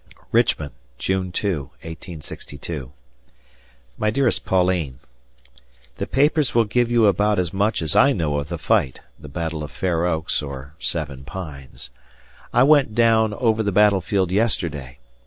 Richmond, June 2, 1862. My dearest Pauline: The papers will give you about as much as I know of the fight [Battle of Fair Oaks, or Seven Pines]. I went down over the battlefield yesterday.